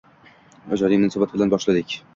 Ijodiy munosabat bilan boshladik.